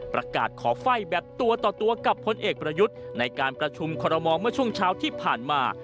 ประกาศขอไฟ่แบบตัวต่อตัวกับพลเอกประยุทธ์ในการประชุมคอรมอลเมื่อช่วงเช้าที่ผ่านมา